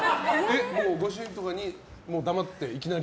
ご主人とかに黙っていきなり？